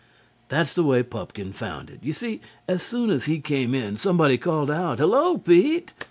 That's the way Pupkin found it. You see, as soon as he came in, somebody called out: "Hello, Pete!"